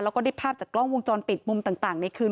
แล้วก็ได้ภาพจากกล้องวงจรปิดมุมต่างในคืน